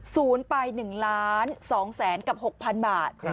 ศูนย์ไป๑ล้าน๒แสนกับ๖๐๐๐บาท